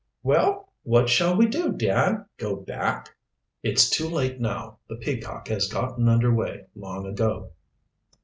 "Well, what shall we do, dad; go back?" "It's too late now. The Peacock has gotten under way long ago."